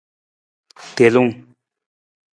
Telung.